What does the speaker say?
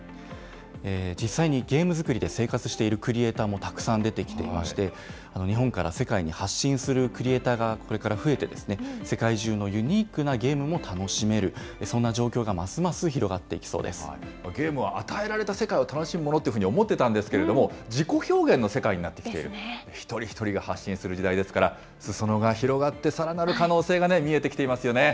実際にゲーム作りで生活しているクリエーターもたくさん出てきてまして、日本から世界に発信するクリエーターがこれから増えて、世界中のユニークなゲームも楽しめる、そんな状況がますます広がゲームは与えられた世界を楽しむものっていうふうに思ってたんですけれども、自己表現の世界になってきている、一人一人が発信する時代ですから、すそ野が広がってさらなる可能性が見えてきていますよね。